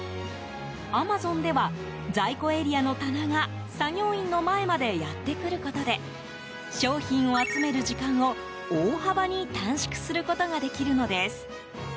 アマゾンでは在庫エリアの棚が作業員の前までやってくることで商品を集める時間を大幅に短縮することができるのです。